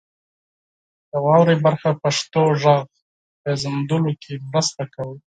د واورئ برخه پښتو غږ پیژندلو کې مرسته کوي.